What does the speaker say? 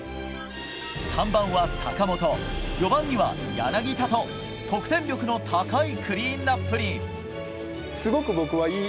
３番は坂本、４番には柳田と得点力の高いクリーンアップに。